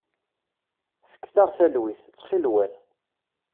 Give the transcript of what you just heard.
Fket-aɣ talwit, ttxilwet!